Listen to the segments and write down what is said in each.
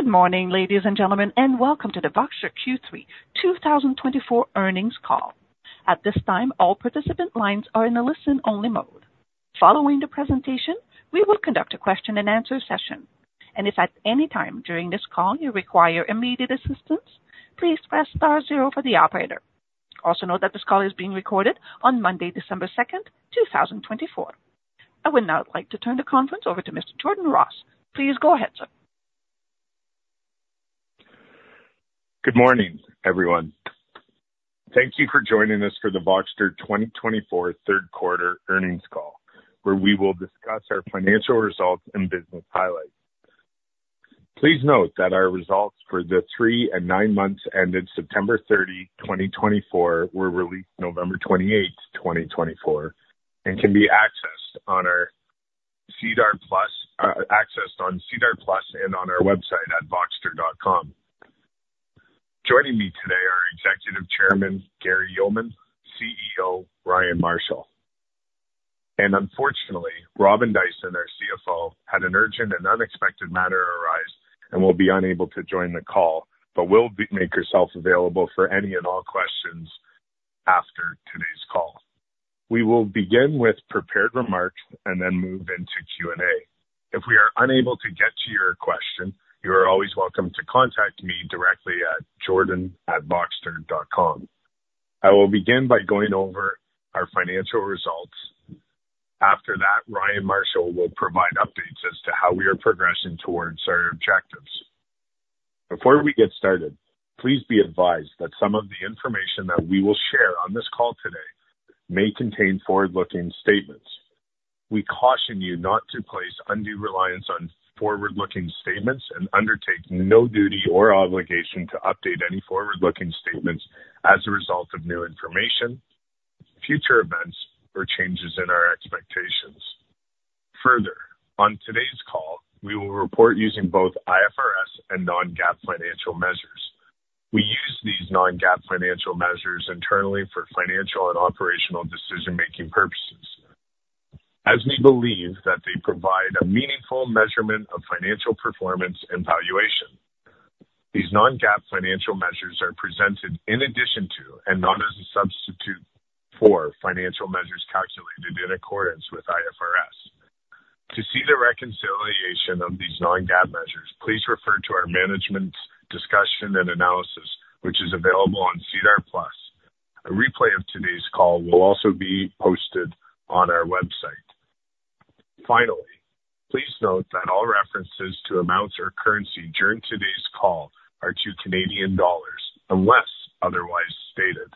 Good morning, ladies and gentlemen, and welcome to the Voxtur Q3 2024 Earnings Call. At this time, all participant lines are in a listen-only mode. Following the presentation, we will conduct a question-and-answer session. And if at any time during this call you require immediate assistance, please press star zero for the operator. Also note that this call is being recorded on Monday, December 2nd, 2024. I would now like to turn the conference over to Mr. Jordan Ross. Please go ahead, sir. Good morning, everyone. Thank you for joining us for the Voxtur 2024 Third Quarter Earnings Call, where we will discuss our financial results and business highlights. Please note that our results for the three and nine months ended September 30, 2024, were released November 28, 2024, and can be accessed on our SEDAR+ and on our website at voxtur.com. Joining me today are Executive Chairman Gary Yeoman, CEO Ryan Marshall, and unfortunately, Robin Dyson, our CFO, had an urgent and unexpected matter arise and will be unable to join the call, but will make herself available for any and all questions after today's call. We will begin with prepared remarks and then move into Q&A. If we are unable to get to your question, you are always welcome to contact me directly at jordan@voxtur.com. I will begin by going over our financial results. After that, Ryan Marshall will provide updates as to how we are progressing towards our objectives. Before we get started, please be advised that some of the information that we will share on this call today may contain forward-looking statements. We caution you not to place undue reliance on forward-looking statements and undertake no duty or obligation to update any forward-looking statements as a result of new information, future events, or changes in our expectations. Further, on today's call, we will report using both IFRS and non-GAAP financial measures. We use these non-GAAP financial measures internally for financial and operational decision-making purposes, as we believe that they provide a meaningful measurement of financial performance and valuation. These non-GAAP financial measures are presented in addition to and not as a substitute for financial measures calculated in accordance with IFRS. To see the reconciliation of these non-GAAP measures, please refer to our management discussion and analysis, which is available on SEDAR+. A replay of today's call will also be posted on our website. Finally, please note that all references to amounts or currency during today's call are to Canadian dollars unless otherwise stated.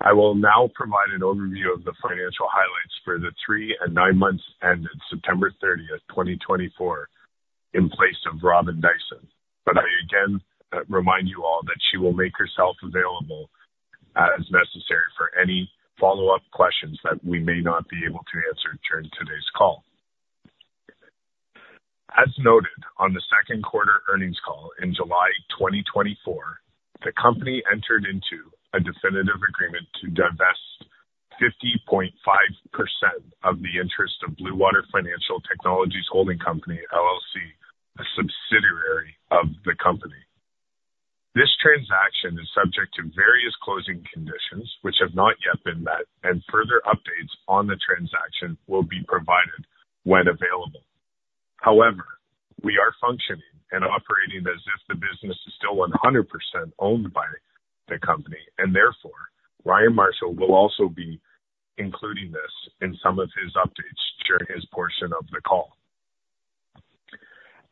I will now provide an overview of the financial highlights for the three and nine months ended September 30, 2024, in place of Robin Dyson, but I again remind you all that she will make herself available as necessary for any follow-up questions that we may not be able to answer during today's call. As noted on the second-quarter earnings call in July 2024, the company entered into a definitive agreement to divest 50.5% of the interest of Blue Water Financial Technologies Holding Company, LLC, a subsidiary of the company. This transaction is subject to various closing conditions, which have not yet been met, and further updates on the transaction will be provided when available. However, we are functioning and operating as if the business is still 100% owned by the company, and therefore, Ryan Marshall will also be including this in some of his updates during his portion of the call.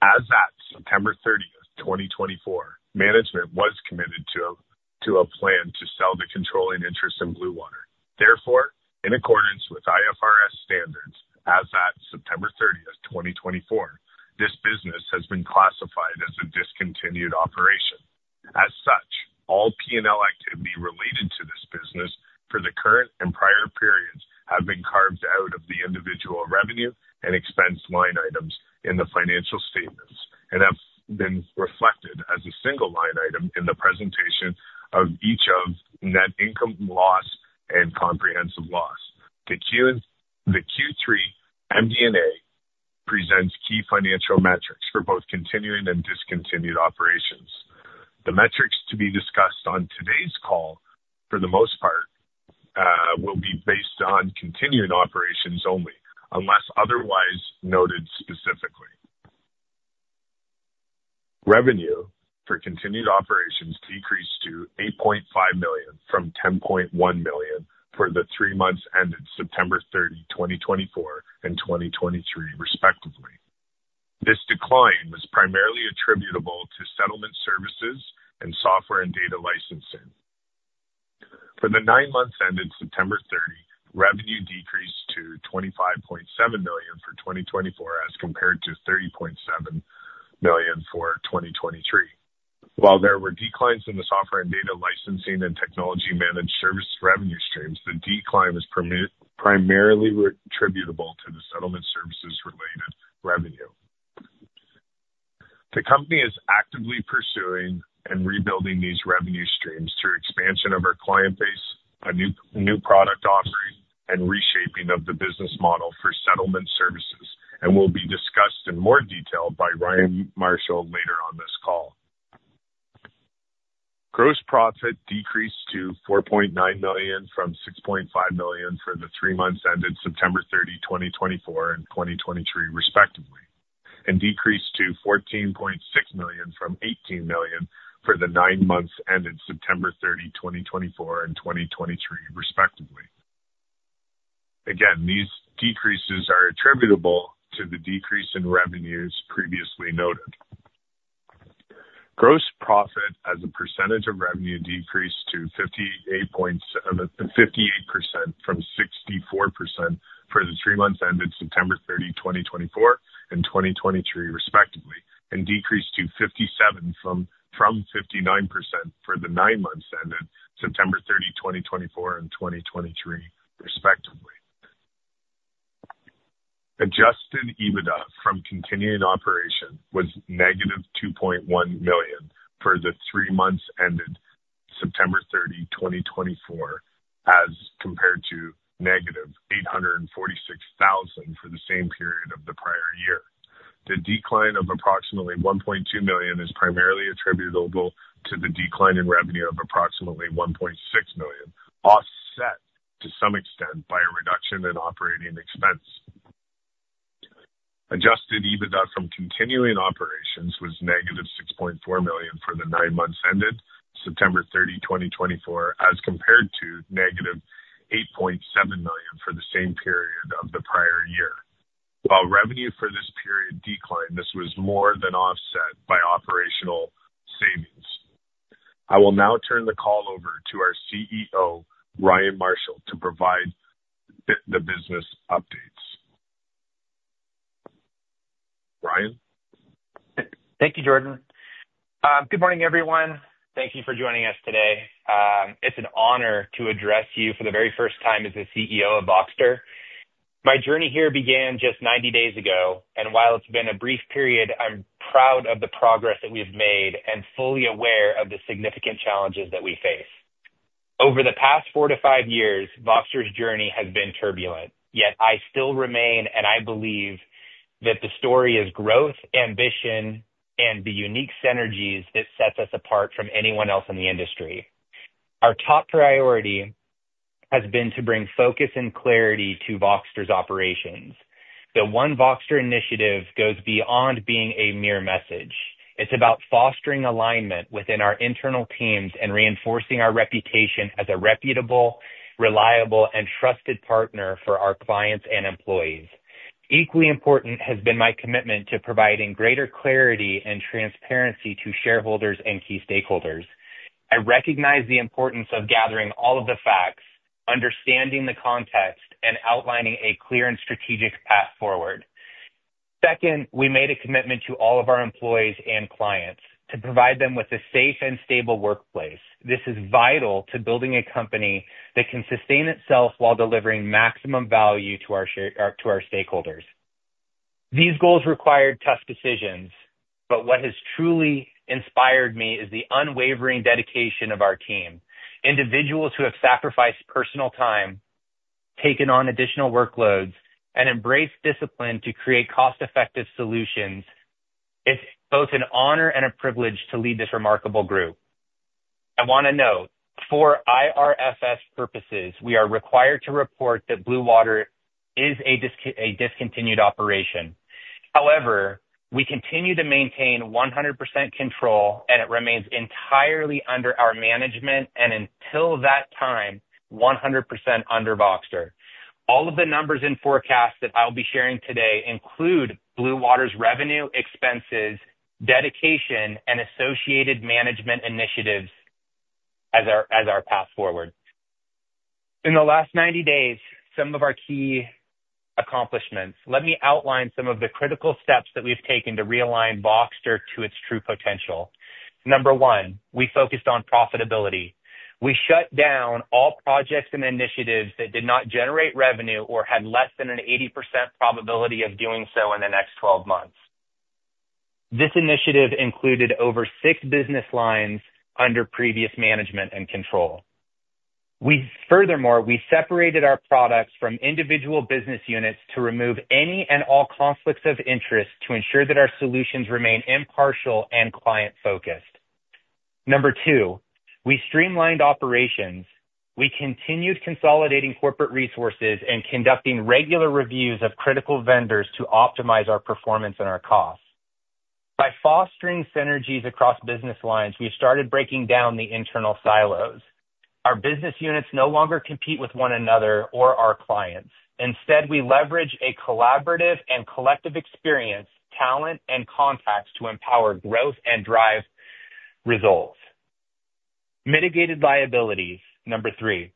As at September 30, 2024, management was committed to a plan to sell the controlling interest in Blue Water. Therefore, in accordance with IFRS standards, as at September 30, 2024, this business has been classified as a discontinued operation. As such, all P&L activity related to this business for the current and prior periods has been carved out of the individual revenue and expense line items in the financial statements and has been reflected as a single line item in the presentation of each of net income loss and comprehensive loss. The Q3 MD&A presents key financial metrics for both continuing and discontinued operations. The metrics to be discussed on today's call, for the most part, will be based on continuing operations only, unless otherwise noted specifically. Revenue for continuing operations decreased to 8.5 million from 10.1 million for the three months ended September 30, 2024, and 2023, respectively. This decline was primarily attributable to settlement services and software and data licensing. For the nine months ended September 30, revenue decreased to CAD 25.7 million for 2024 as compared to CAD 30.7 million for 2023. While there were declines in the software and data licensing and technology-managed service revenue streams, the decline was primarily attributable to the settlement services-related revenue. The company is actively pursuing and rebuilding these revenue streams through expansion of our client base, a new product offering, and reshaping of the business model for settlement services, and will be discussed in more detail by Ryan Marshall later on this call. Gross profit decreased to 4.9 million from 6.5 million for the three months ended September 30, 2024, and 2023, respectively, and decreased to CAD 14.6 million from CAD 18 million for the nine months ended September 30, 2024, and 2023, respectively. Again, these decreases are attributable to the decrease in revenues previously noted. Gross profit as a percentage of revenue decreased to 58.7% from 64% for the three months ended September 30, 2024, and 2023, respectively, and decreased to 57% from 59% for the nine months ended September 30, 2024, and 2023, respectively. Adjusted EBITDA from continuing operations was -2.1 million for the three months ended September 30, 2024, as compared to -846,000 for the same period of the prior year. The decline of approximately 1.2 million is primarily attributable to the decline in revenue of approximately 1.6 million, offset to some extent by a reduction in operating expense. Adjusted EBITDA from continuing operations was -6.4 million for the nine months ended September 30, 2024, as compared to -8.7 million for the same period of the prior year. While revenue for this period declined, this was more than offset by operational savings. I will now turn the call over to our CEO, Ryan Marshall, to provide the business updates. Ryan? Thank you, Jordan. Good morning, everyone. Thank you for joining us today. It's an honor to address you for the very first time as the CEO of Voxtur. My journey here began just 90 days ago, and while it's been a brief period, I'm proud of the progress that we've made and fully aware of the significant challenges that we face. Over the past four to five years, Voxtur's journey has been turbulent, yet I still remain, and I believe that the story is growth, ambition, and the unique synergies that set us apart from anyone else in the industry. Our top priority has been to bring focus and clarity to Voxtur's operations. The One Voxtur initiative goes beyond being a mere message. It's about fostering alignment within our internal teams and reinforcing our reputation as a reputable, reliable, and trusted partner for our clients and employees. Equally important has been my commitment to providing greater clarity and transparency to shareholders and key stakeholders. I recognize the importance of gathering all of the facts, understanding the context, and outlining a clear and strategic path forward. Second, we made a commitment to all of our employees and clients to provide them with a safe and stable workplace. This is vital to building a company that can sustain itself while delivering maximum value to our stakeholders. These goals required tough decisions, but what has truly inspired me is the unwavering dedication of our team. Individuals who have sacrificed personal time, taken on additional workloads, and embraced discipline to create cost-effective solutions is both an honor and a privilege to lead this remarkable group. I want to note, for IFRS purposes, we are required to report that Blue Water is a discontinued operation. However, we continue to maintain 100% control, and it remains entirely under our management, and until that time, 100% under Voxtur. All of the numbers and forecasts that I'll be sharing today include Blue Water's revenue, expenses, depreciation, and associated management initiatives as our path forward. In the last 90 days, some of our key accomplishments. Let me outline some of the critical steps that we've taken to realign Voxtur to its true potential. Number one, we focused on profitability. We shut down all projects and initiatives that did not generate revenue or had less than an 80% probability of doing so in the next 12 months. This initiative included over six business lines under previous management and control. Furthermore, we separated our products from individual business units to remove any and all conflicts of interest to ensure that our solutions remain impartial and client-focused. Number two, we streamlined operations. We continued consolidating corporate resources and conducting regular reviews of critical vendors to optimize our performance and our costs. By fostering synergies across business lines, we started breaking down the internal silos. Our business units no longer compete with one another or our clients. Instead, we leverage a collaborative and collective experience, talent, and contacts to empower growth and drive results. Mitigated liabilities, number three.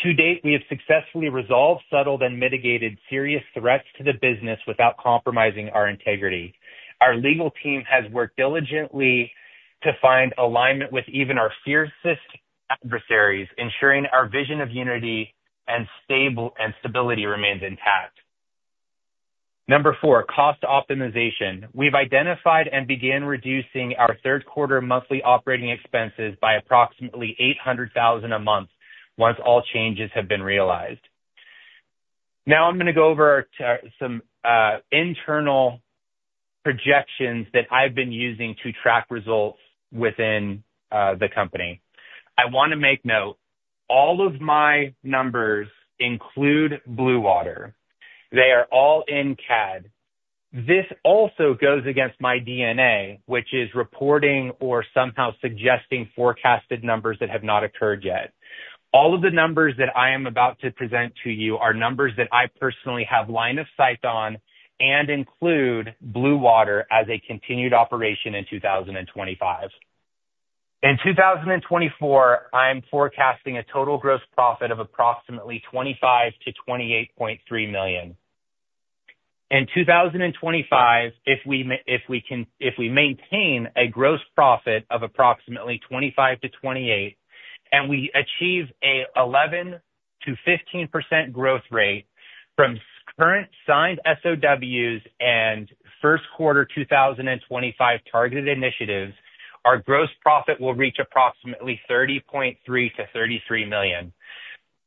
To date, we have successfully resolved, settled, and mitigated serious threats to the business without compromising our integrity. Our legal team has worked diligently to find alignment with even our fiercest adversaries, ensuring our vision of unity and stability remains intact. Number four, cost optimization. We've identified and began reducing our third-quarter monthly operating expenses by approximately 800,000 a month once all changes have been realized. Now I'm going to go over some internal projections that I've been using to track results within the company. I want to make note. All of my numbers include Blue Water. They are all in CAD. This also goes against my DNA, which is reporting or somehow suggesting forecasted numbers that have not occurred yet. All of the numbers that I am about to present to you are numbers that I personally have line of sight on and include Blue Water as a continued operation in 2025. In 2024, I am forecasting a total gross profit of approximately 25 million-28.3 million. In 2025, if we maintain a gross profit of approximately 25 million-28 million, and we achieve an 11%-15% growth rate from current signed SOWs and first quarter 2025 targeted initiatives, our gross profit will reach approximately 30.3 million-33 million.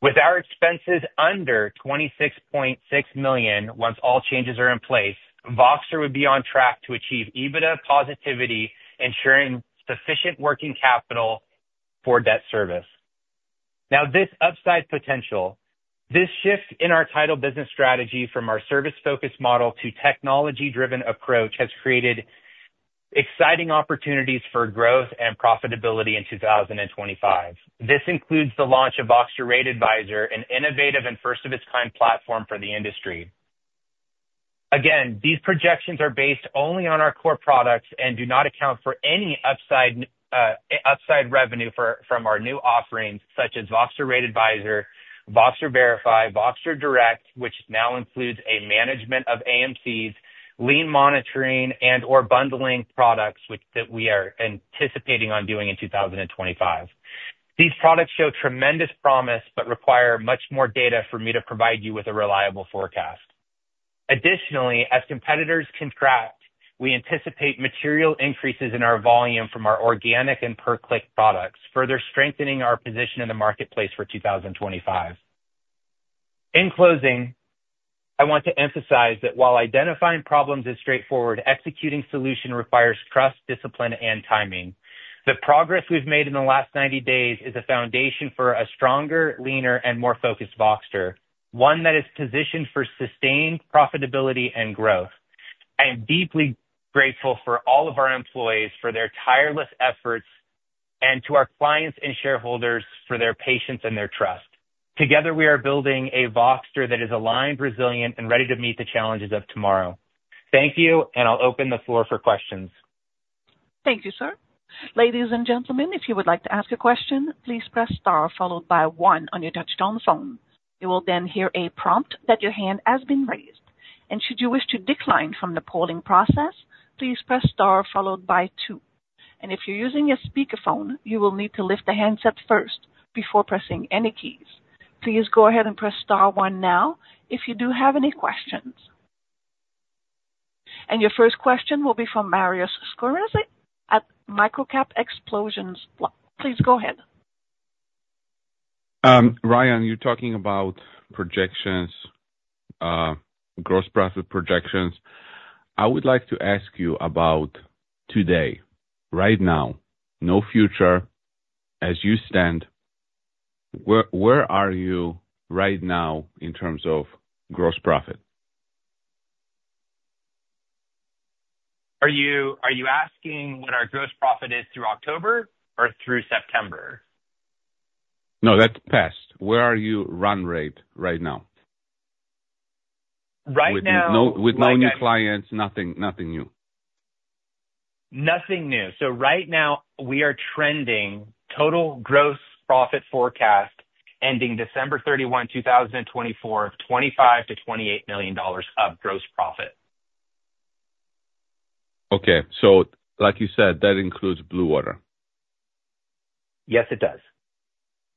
With our expenses under 26.6 million once all changes are in place, Voxtur would be on track to achieve EBITDA positivity, ensuring sufficient working capital for debt service. Now, this upside potential, this shift in our title business strategy from our service-focused model to technology-driven approach has created exciting opportunities for growth and profitability in 2025. This includes the launch of Voxtur Rate Advisor, an innovative and first-of-its-kind platform for the industry. Again, these projections are based only on our core products and do not account for any upside revenue from our new offerings, such as Voxtur Rate Advisor, Voxtur Verify, Voxtur Direct, which now includes a management of AMCs, lien monitoring, and/or bundling products that we are anticipating on doing in 2025. These products show tremendous promise but require much more data for me to provide you with a reliable forecast. Additionally, as competitors contract, we anticipate material increases in our volume from our organic and per-click products, further strengthening our position in the marketplace for 2025. In closing, I want to emphasize that while identifying problems is straightforward, executing solution requires trust, discipline, and timing. The progress we've made in the last 90 days is a foundation for a stronger, leaner, and more focused Voxtur, one that is positioned for sustained profitability and growth. I am deeply grateful for all of our employees for their tireless efforts and to our clients and shareholders for their patience and their trust. Together, we are building a Voxtur that is aligned, resilient, and ready to meet the challenges of tomorrow. Thank you, and I'll open the floor for questions. Thank you, sir. Ladies and gentlemen, if you would like to ask a question, please press star followed by one on your touch-tone phone. You will then hear a prompt that your hand has been raised. And should you wish to decline from the polling process, please press star followed by two. And if you're using a speakerphone, you will need to lift the handset up first before pressing any keys. Please go ahead and press star one now if you do have any questions. And your first question will be from Mariusz Skonieczny at MicroCap Explosions. Please go ahead. Ryan, you're talking about projections, gross profit projections. I would like to ask you about today, right now, no future as you stand. Where are you right now in terms of gross profit? Are you asking what our gross profit is through October or through September? No, that's past. Where's your run rate right now? Right now. With no new clients, nothing new. Nothing new. So right now, we are trending total gross profit forecast ending December 31, 2024, 25 million-28 million dollars of gross profit. Okay. So like you said, that includes Blue Water. Yes, it does.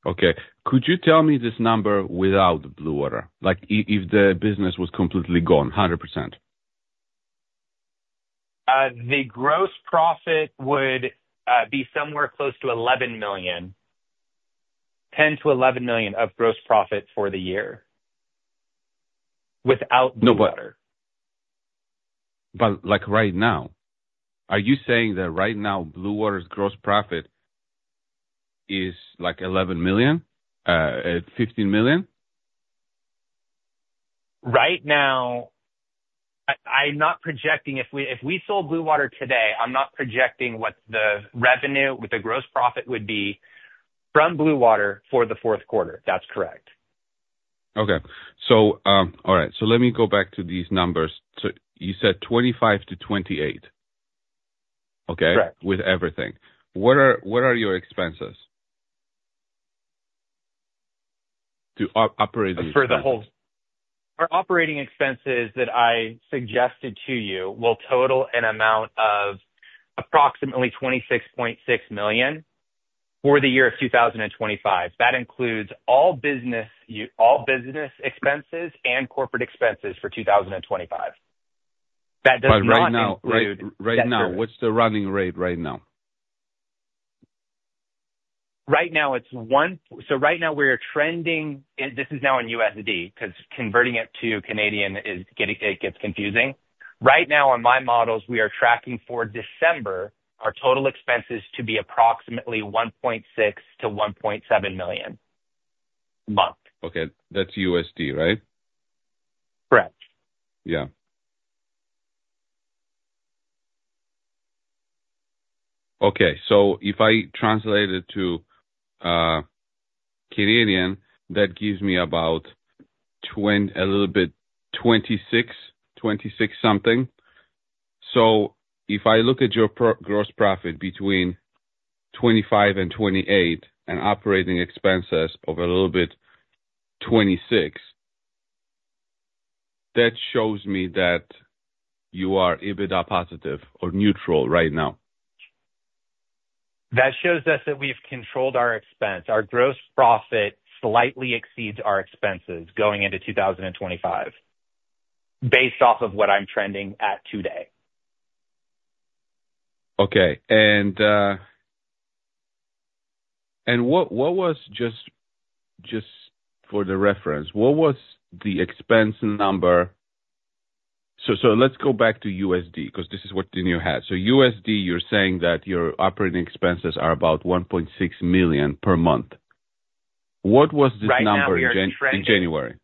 Okay. Could you tell me this number without Blue Water? If the business was completely gone, 100%. The gross profit would be somewhere close to 11 million, 10 million-11 million of gross profit for the year without Blue Water. But like right now, are you saying that right now Blue Water's gross profit is like 11 million-15 million? Right now, I'm not projecting. If we sold Blue Water today, I'm not projecting what the revenue with the gross profit would be from Blue Water for the fourth quarter. That's correct. Okay. All right. So let me go back to these numbers. So you said 25 million-28 million, okay, with everything. What are your expenses to operate? For the whole operating expenses that I suggested to you will total an amount of approximately 26.6 million for the year of 2025. That includes all business expenses and corporate expenses for 2025. That doesn't include the. But right now, what's the running rate right now? Right now, it's one. So right now, we're trending. This is now in USD because converting it to Canadian dollar gets confusing. Right now, on my models, we are tracking for December our total expenses to be approximately $1.6 million-$1.7 million a month. Okay. That's USD, right? Correct. Yeah. Okay. So if I translate it to Canadian, that gives me about a little bit 26 million, 26 million something. So if I look at your gross profit between 25 million-28 million and operating expenses of a little bit 26 million, that shows me that you are EBITDA positive or neutral right now. That shows us that we've controlled our expense. Our gross profit slightly exceeds our expenses going into 2025, based off of what I'm trending at today. Okay. And what was, just for the reference, what was the expense number? So let's go back to USD because this is what you had. So, USD, you're saying that your operating expenses are about $1.6 million per month. What was this number in January?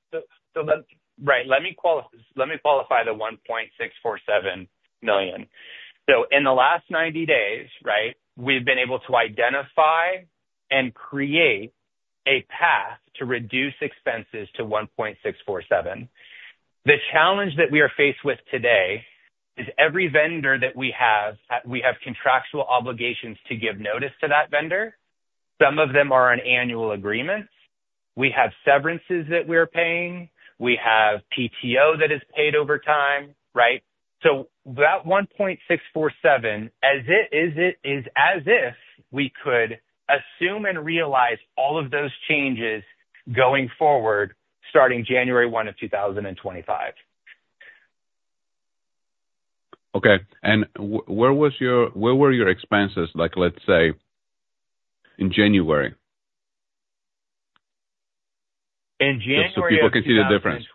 Right. Let me qualify the 1.647 million. So in the last 90 days, right, we've been able to identify and create a path to reduce expenses to 1.647 million. The challenge that we are faced with today is every vendor that we have, we have contractual obligations to give notice to that vendor. Some of them are on annual agreements. We have severances that we are paying. We have PTO that is paid over time, right? So that 1.647 million is as if we could assume and realize all of those changes going forward starting January 1, 2025. Okay. And where were your expenses, let's say, in January? In January. Just so people can see the difference.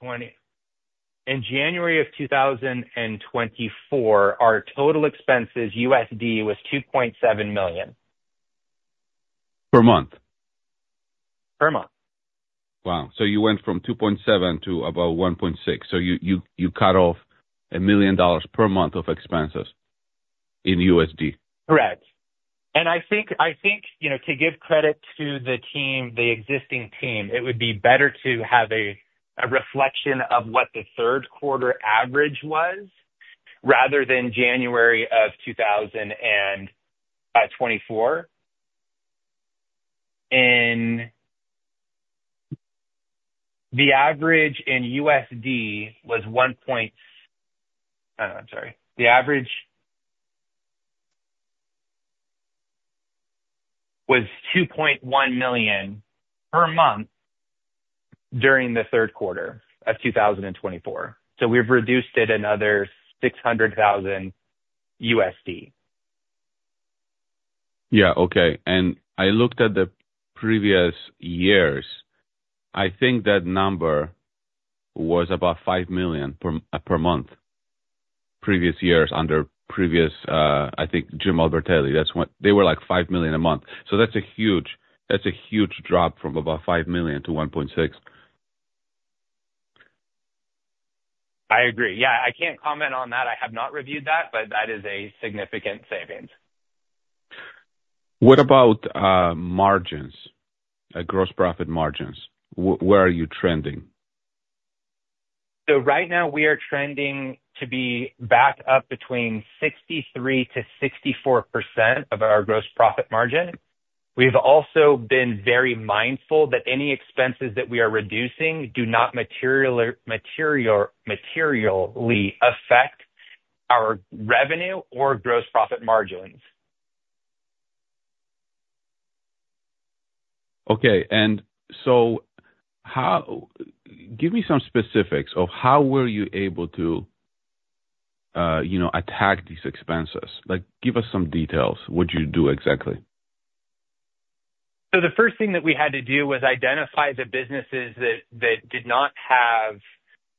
In January 2024, our total expenses in USD was $2.7 million. Per month? Per month. Wow. So you went from $2.7 million to about $1.6 million. So you cut off $1 million per month of expenses in USD. Correct. And I think to give credit to the existing team, it would be better to have a reflection of what the third quarter average was rather than January, 2024. The average in USD was $1. I'm sorry. The average was $2.1 million per month during the third quarter of 2024. So we've reduced it another $600,000. Yeah. Okay, and I looked at the previous years. I think that number was about 5 million per month previous years under previous, I think, Jim Albertelli. They were like 5 million a month. So that's a huge drop from about 5 million to 1.6 million. I agree. Yeah. I can't comment on that. I have not reviewed that, but that is a significant savings. What about margins, gross profit margins? Where are you trending? So right now, we are trending to be back up between 63%-64% of our gross profit margin. We've also been very mindful that any expenses that we are reducing do not materially affect our revenue or gross profit margins. Okay, and so give me some specifics of how were you able to attack these expenses. Give us some details. What did you do exactly? The first thing that we had to do was identify the businesses that did not have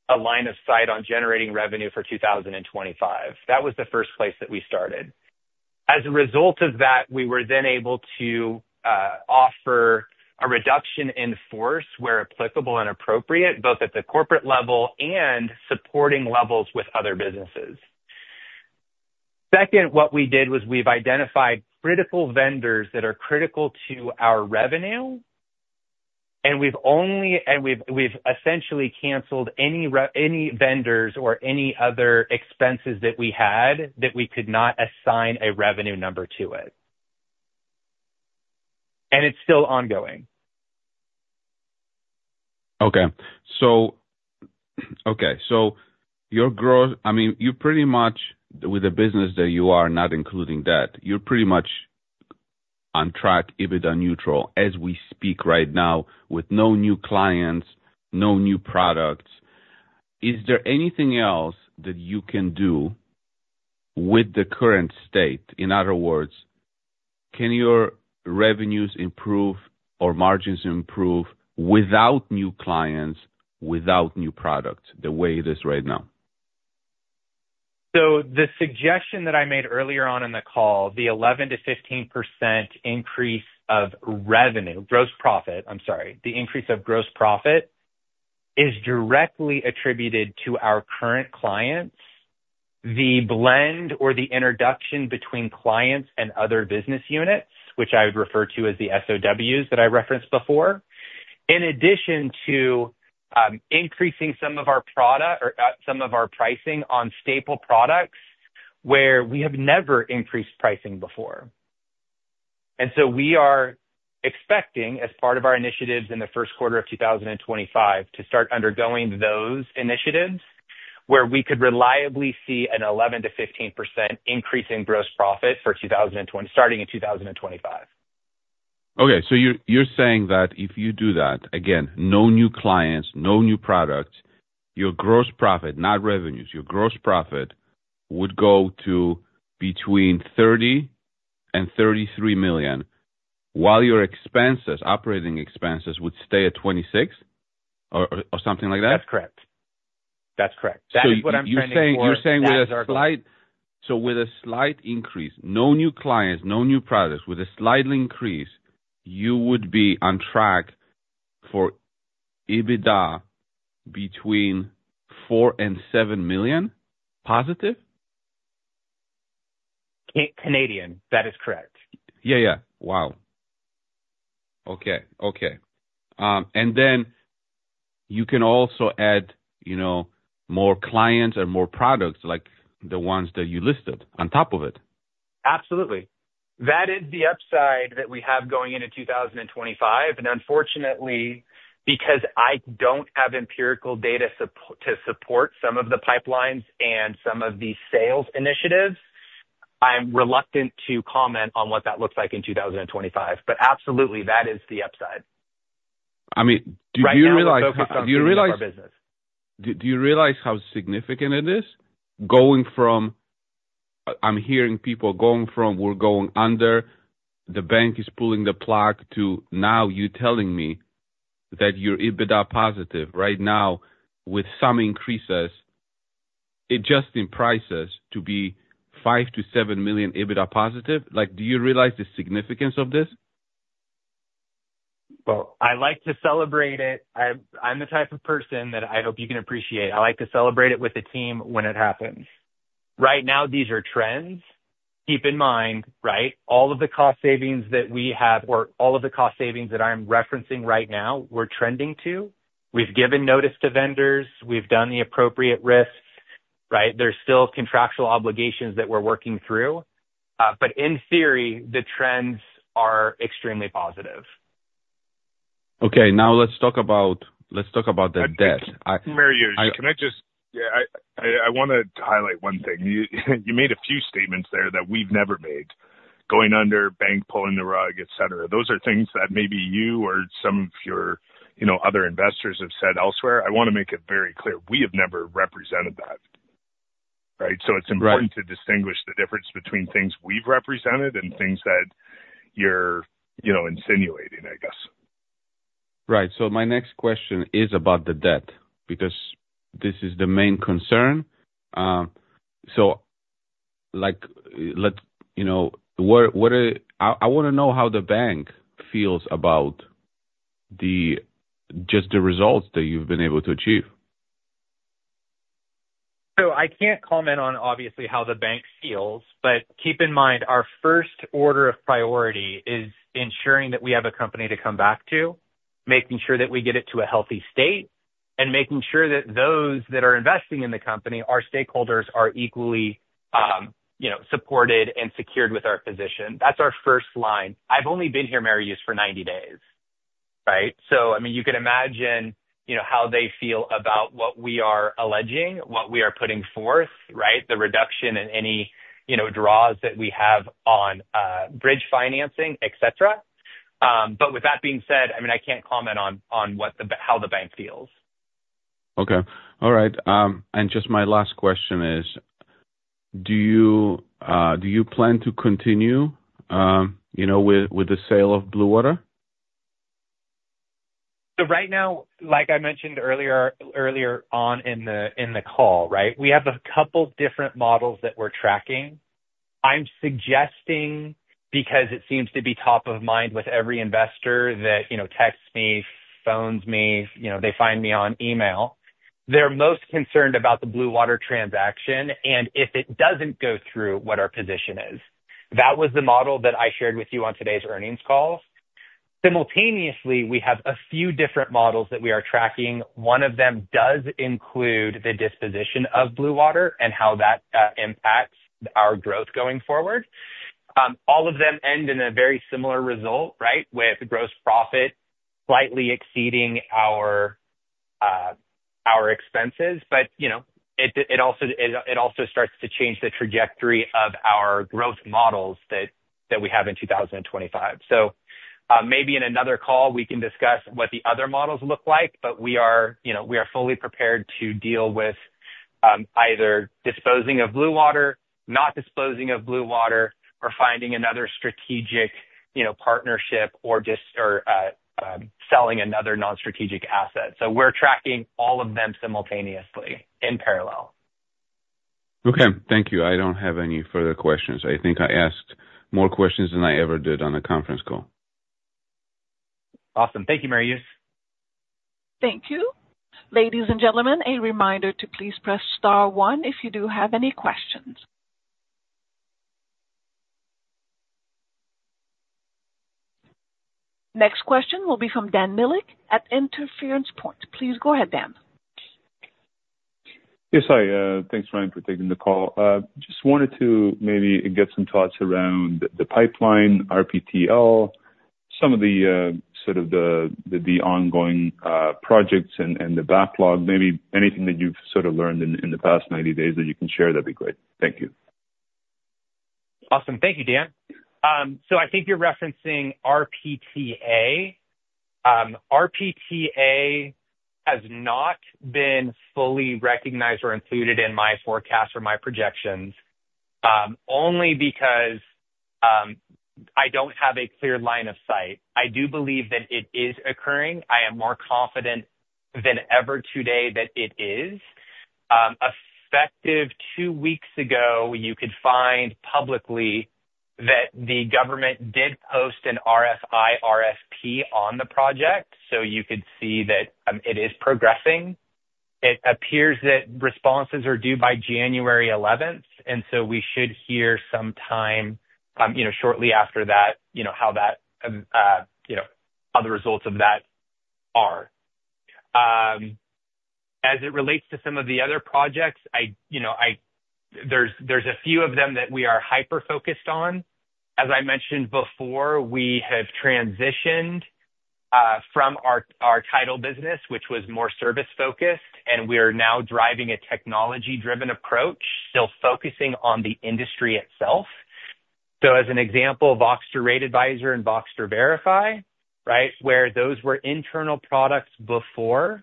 a line of sight on generating revenue for 2025. That was the first place that we started. As a result of that, we were then able to offer a reduction in force where applicable and appropriate, both at the corporate level and supporting levels with other businesses. Second, what we did was we've identified critical vendors that are critical to our revenue, and we've essentially canceled any vendors or any other expenses that we had that we could not assign a revenue number to it. It's still ongoing. Okay. Okay. So your growth, I mean, you pretty much with the business that you are not including that, you're pretty much on track, EBITDA neutral as we speak right now with no new clients, no new products. Is there anything else that you can do with the current state? In other words, can your revenues improve or margins improve without new clients, without new products the way it is right now? The suggestion that I made earlier on in the call, the 11%-15% increase of revenue, gross profit, I'm sorry, the increase of gross profit is directly attributed to our current clients, the blend or the introduction between clients and other business units, which I would refer to as the SOWs that I referenced before, in addition to increasing some of our product or some of our pricing on staple products where we have never increased pricing before. We are expecting, as part of our initiatives in the first quarter of 2025, to start undergoing those initiatives where we could reliably see an 11%-15% increase in gross profit starting in 2025. Okay. So you're saying that if you do that, again, no new clients, no new products, your gross profit, not revenues, your gross profit would go to between 30 million-33 million while your expenses, operating expenses, would stay at 26 million or something like that? That's correct. That's correct. That is what I'm trying to say. So you're saying with a slight increase, no new clients, no new products, with a slight increase, you would be on track for EBITDA between +4 million-+7 million? Canadian. That is correct. Yeah, yeah. Wow. Okay. Okay. And then you can also add more clients and more products like the ones that you listed on top of it. Absolutely. That is the upside that we have going into 2025. And unfortunately, because I don't have empirical data to support some of the pipelines and some of the sales initiatives, I'm reluctant to comment on what that looks like in 2025. But absolutely, that is the upside. I mean, do you realize how significant it is going from I'm hearing people going from we're going under, the bank is pulling the plug to now you're telling me that you're EBITDA positive right now with some increases, adjusting prices to be 5 million-7 million EBITDA positive? Do you realize the significance of this? I like to celebrate it. I'm the type of person that I hope you can appreciate. I like to celebrate it with the team when it happens. Right now, these are trends. Keep in mind, right, all of the cost savings that we have or all of the cost savings that I'm referencing right now, we're trending to. We've given notice to vendors. We've done the appropriate risks, right? There's still contractual obligations that we're working through. But in theory, the trends are extremely positive. Okay. Now, let's talk about the debt. Can I just? Yeah. I want to highlight one thing. You made a few statements there that we've never made going under, bank pulling the rug, etc. Those are things that maybe you or some of your other investors have said elsewhere. I want to make it very clear. We have never represented that, right? So it's important to distinguish the difference between things we've represented and things that you're insinuating, I guess. Right. So my next question is about the debt because this is the main concern. So I want to know how the bank feels about just the results that you've been able to achieve. So I can't comment on, obviously, how the bank feels, but keep in mind our first order of priority is ensuring that we have a company to come back to, making sure that we get it to a healthy state, and making sure that those that are investing in the company, our stakeholders, are equally supported and secured with our position. That's our first line. I've only been here a mere 90 days, right? So I mean, you can imagine how they feel about what we are alleging, what we are putting forth, right, the reduction in any draws that we have on bridge financing, etc. But with that being said, I mean, I can't comment on how the bank feels. Okay. All right, and just my last question is, do you plan to continue with the sale of Blue Water? So right now, like I mentioned earlier on in the call, right, we have a couple of different models that we're tracking. I'm suggesting, because it seems to be top of mind with every investor that texts me, phones me, they find me on email, they're most concerned about the Blue Water transaction and if it doesn't go through what our position is. That was the model that I shared with you on today's earnings call. Simultaneously, we have a few different models that we are tracking. One of them does include the disposition of Blue Water and how that impacts our growth going forward. All of them end in a very similar result, right, with gross profit slightly exceeding our expenses. But it also starts to change the trajectory of our growth models that we have in 2025. So maybe in another call, we can discuss what the other models look like, but we are fully prepared to deal with either disposing of Blue Water, not disposing of Blue Water, or finding another strategic partnership or selling another non-strategic asset. So we're tracking all of them simultaneously in parallel. Okay. Thank you. I don't have any further questions. I think I asked more questions than I ever did on a conference call. Awesome. Thank you, Mariusz. Thank you. Ladies and gentlemen, a reminder to please press star one if you do have any questions. Next question will be from Dan Milic at Inference Point. Please go ahead, Dan. Yes, hi. Thanks, Ryan, for taking the call. Just wanted to maybe get some thoughts around the pipeline, RPTA, some of the sort of the ongoing projects and the backlog. Maybe anything that you've sort of learned in the past 90 days that you can share, that'd be great. Thank you. Awesome. Thank you, Dan. So I think you're referencing RPTA. RPTA has not been fully recognized or included in my forecast or my projections only because I don't have a clear line of sight. I do believe that it is occurring. I am more confident than ever today that it is. Effective two weeks ago, you could find publicly that the government did post an RFI, RFP on the project. So you could see that it is progressing. It appears that responses are due by January 11th, and so we should hear sometime shortly after that how the results of that are. As it relates to some of the other projects, there's a few of them that we are hyper-focused on. As I mentioned before, we have transitioned from our title business, which was more service-focused, and we are now driving a technology-driven approach, still focusing on the industry itself. As an example, Voxtur Rate Advisor and Voxtur Verify, right, where those were internal products before,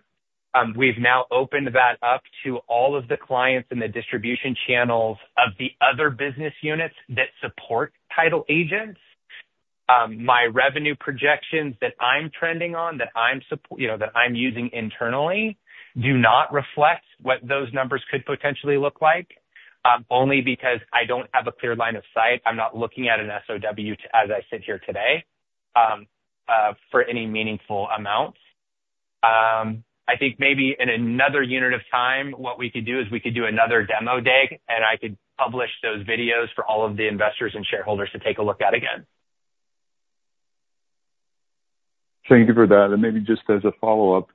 we've now opened that up to all of the clients and the distribution channels of the other business units that support title agents. My revenue projections that I'm trending on, that I'm using internally, do not reflect what those numbers could potentially look like only because I don't have a clear line of sight. I'm not looking at an SOW as I sit here today for any meaningful amounts. I think maybe in another unit of time, what we could do is we could do another demo day, and I could publish those videos for all of the investors and shareholders to take a look at again. Thank you for that. And maybe just as a follow-up,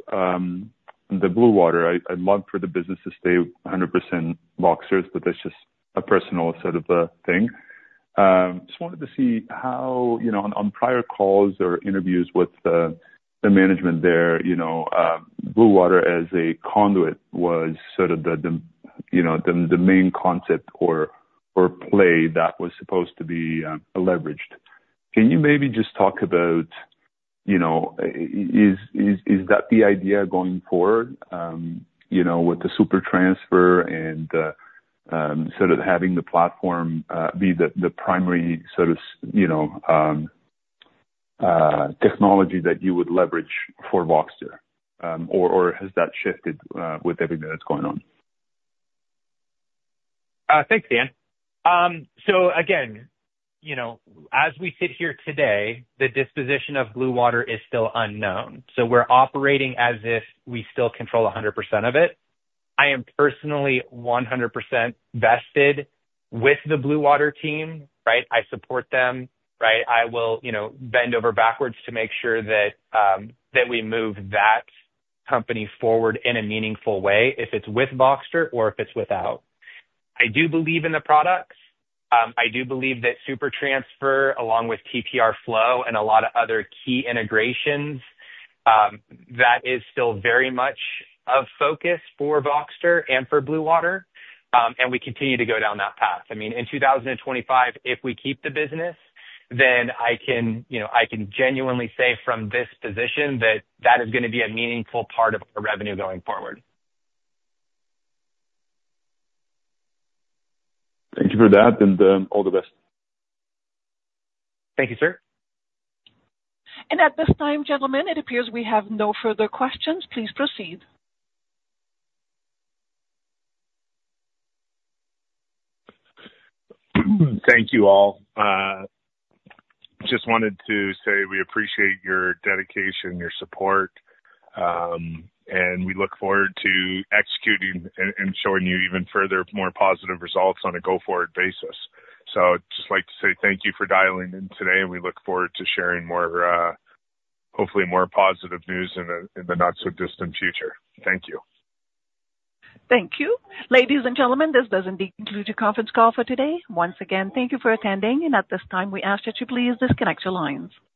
the Blue Water, I'd love for the business to stay 100% Voxtur's, but that's just a personal sort of thing. Just wanted to see how on prior calls or interviews with the management there, Blue Water as a conduit was sort of the main concept or play that was supposed to be leveraged. Can you maybe just talk about is that the idea going forward with the SuperTransfer and sort of having the platform be the primary sort of technology that you would leverage for Voxtur, or has that shifted with everything that's going on? Thanks, Dan. So again, as we sit here today, the disposition of Blue Water is still unknown. So we're operating as if we still control 100% of it. I am personally 100% vested with the Blue Water team, right? I support them, right? I will bend over backwards to make sure that we move that company forward in a meaningful way if it's with Voxtur or if it's without. I do believe in the products. I do believe that SuperTransfer, along with TPR Flow and a lot of other key integrations, that is still very much of focus for Voxtur and for Blue Water. And we continue to go down that path. I mean, in 2025, if we keep the business, then I can genuinely say from this position that that is going to be a meaningful part of our revenue going forward. Thank you for that, and all the best. Thank you, sir. At this time, gentlemen, it appears we have no further questions. Please proceed. Thank you all. Just wanted to say we appreciate your dedication, your support, and we look forward to executing and showing you even further, more positive results on a go-forward basis. So I'd just like to say thank you for dialing in today, and we look forward to sharing more, hopefully, more positive news in the not-so-distant future. Thank you. Thank you. Ladies and gentlemen, this does indeed conclude your conference call for today. Once again, thank you for attending and at this time, we ask that you please disconnect your lines.